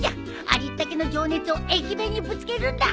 ありったけの情熱を駅弁にぶつけるんだ！